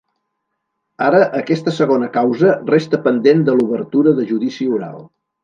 Ara aquesta segona causa resta pendent de l’obertura de judici oral.